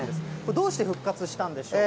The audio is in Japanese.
どうして復活したんでしょうか。